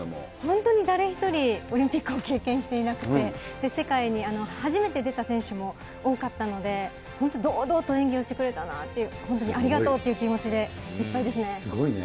本当に誰一人、オリンピックを経験していなくて、世界に初めて出た選手も多かったので、本当、堂々と演技をしてくれたなっていう、本当にありがとうという気持すごいね。